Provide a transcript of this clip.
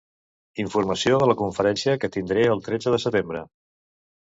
Informació de la conferència que tindré el tretze de setembre.